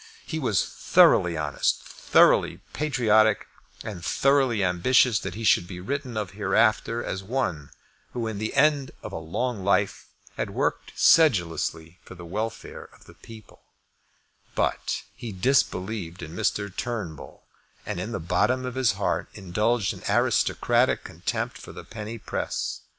He was thoroughly honest, thoroughly patriotic, and thoroughly ambitious that he should be written of hereafter as one who to the end of a long life had worked sedulously for the welfare of the people; but he disbelieved in Mr. Turnbull, and in the bottom of his heart indulged an aristocratic contempt for the penny press.